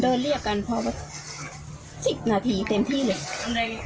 เดินเรียกกัน๑๐นาทีเต็มที่เลย